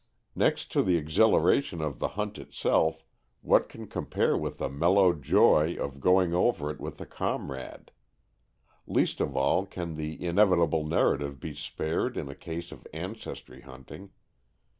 Next to the exhilaration of the hunt itself, what can compare with the mellow joy of going over it with a comrade! Least of all can the "inevitable narrative" be spared in a case of ancestry hunting.